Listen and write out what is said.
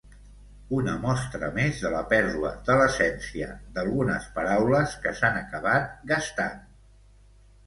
Una mostra més de la pèrdua de l'essència d'algunes paraules, que s'han acabat gastant.